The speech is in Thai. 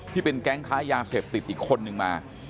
ที่เป็นแก๊งค้ายาเสพติดอีกคนนึงมา